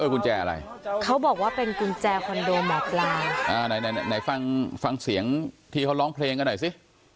กุญแจอะไรเขาบอกว่าเป็นกุญแจคอนโดหมอปลาอ่าไหนไหนฟังฟังเสียงที่เขาร้องเพลงกันหน่อยสิ